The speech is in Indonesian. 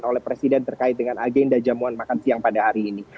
oleh presiden terkait dengan agenda jamuan makan siang pada hari ini